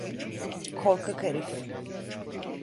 Korkak herif!